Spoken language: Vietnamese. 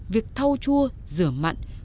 việc thau chua rửa mặn